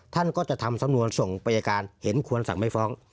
ท่านก็จะทำสำนวนส่งไปอายการเห็นควรสั่งไม่ฟ้อง